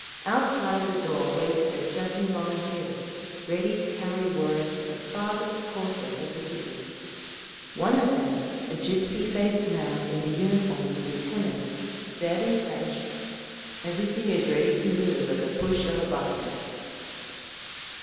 Outside the door waited a dozen volunteers, ready to carry word to the farthest quarters of the city. One of them, a gypsy faced man in the uniform of a lieutenant, said in French, "Everything is ready to move at the push of a button…."